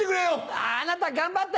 あなた頑張って。